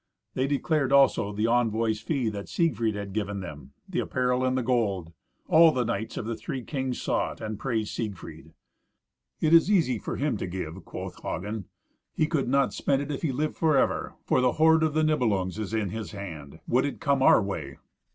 They declared also the envoy's fee that Siegfried had given them: the apparel and the gold. All the knights of the three kings saw it, and praised Siegfried. "It is easy for him to give," quoth Hagen. "He could not spend it if he lived for ever, for the hoard of the Nibelungs is in his hand. Would it came our way!"